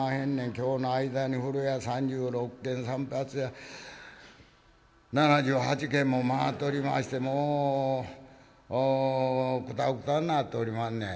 今日の間に風呂屋３６軒散髪屋７８軒も回っておりましてもうくたくたになっておりまんねん」。